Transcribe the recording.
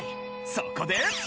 そこで！